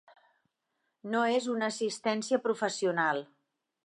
No és una assistència professional.